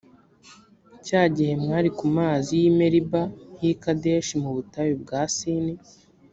cya gihe mwari ku mazi y’i meriba h’i kadeshi, mu butayu bwa sini,